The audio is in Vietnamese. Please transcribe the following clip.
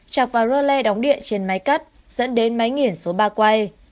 chạc vào rơ le đóng điện trên máy cắt dẫn đến máy nghiển số ba quay